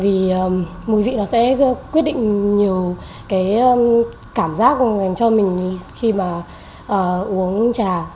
vì mùi vị nó sẽ quyết định nhiều cái cảm giác dành cho mình khi mà uống trà